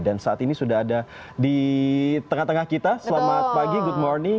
dan saat ini sudah ada di tengah tengah kita selamat pagi good morning